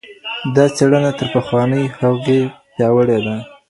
دا څېړنه تر پخوانۍ هغې پیاوړې ده.